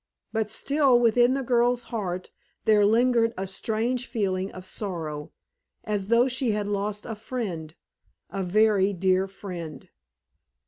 But still within the girl's heart there lingered a strange feeling of sorrow, as though she had lost a friend, a very dear friend.